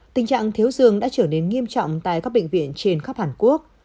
tình trạng thiếu giường đã trở nên nghiêm trọng tại các bệnh viện trên khắp hàn quốc